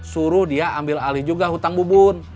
suruh dia ambil alih juga hutang bubun